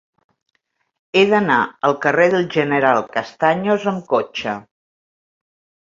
He d'anar al carrer del General Castaños amb cotxe.